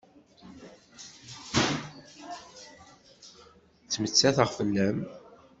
Ttmettateɣ fell-am.